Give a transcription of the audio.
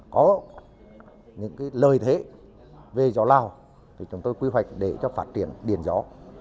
có những lời thế về gió lao thì chúng tôi quy hoạch để cho phát triển điện gió